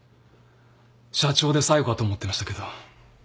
社長で最後かと思ってましたけど。